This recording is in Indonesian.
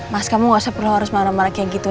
mas kamu gak usah perlu harus marah marah kayak gitu